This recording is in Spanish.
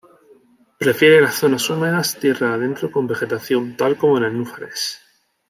Prefiere las zonas húmedas tierra adentro con vegetación tal como nenúfares.